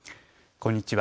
こんにちは。